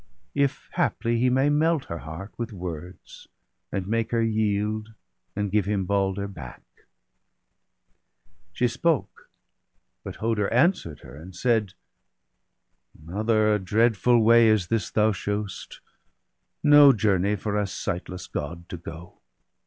If haply he may melt her heart with words. And make her yield, and give him Balder back.' She spoke ; but Hoder answer' d her and said :— 144 BALDER DEAD. 'Mother, a dreadful way is this thou shew'st. No journey for a sightless God to go!'